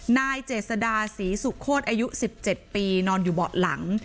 นายเจษดาศรีสุโคตรอายุ๑๗ปีนอนอยู่เบาะหลัง